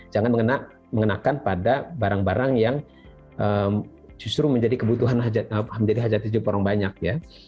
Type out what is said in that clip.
jangan mengenakan pada barang barang yang justru menjadi kebutuhan menjadi hajat hidup orang banyak ya